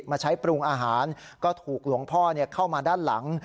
มาใช้ปรุงอาหารก็ถูกหลวงพ่อเข้ามาด้านหลัง